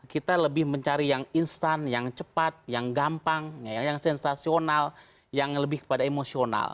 kita lebih mencari yang instan yang cepat yang gampang yang sensasional yang lebih kepada emosional